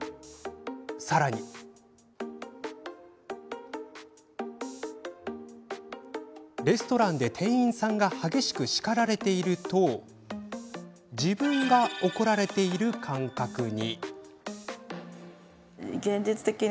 さらにレストランで店員さんが激しく叱られていると自分が怒られている感覚に。